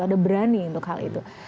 udah berani untuk hal itu